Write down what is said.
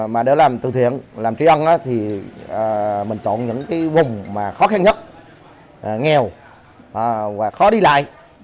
mà để làm từ thiện làm trí ân thì mình chọn những vùng khó khăn nhất nghèo và khó đi lại